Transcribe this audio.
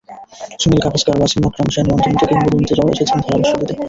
Sunil Gavaskar, Wasim Akram, Shane ওয়ার্নদের মতো কিংবদন্তিরাও এসেছেন ধারাভাষ্য দিতে।